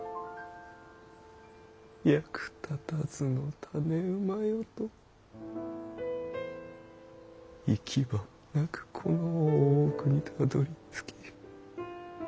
役立たずの種馬よと行き場もなくこの大奥にたどりつき。